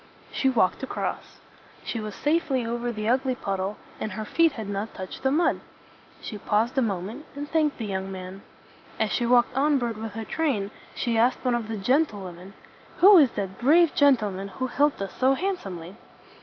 She walked across. She was safely over the ugly puddle, and her feet had not touched the mud. She paused a moment, and thanked the young man. As she walked onward with her train, she asked one of the gen tle wom en, "Who is that brave gen tle man who helped us so handsomely?"